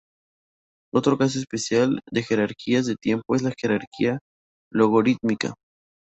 Otro caso especial de jerarquías de tiempo es la jerarquía logarítmica.